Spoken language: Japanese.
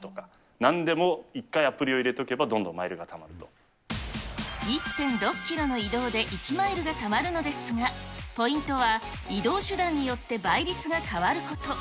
なんでも一回アプリを入れとけば、１．６キロの移動で１マイルがたまるのですが、ポイントは移動手段によって倍率が変わること。